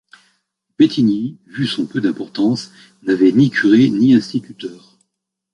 Bettignies, vu son peu d'importance, n'avait ni curé ni instituteur.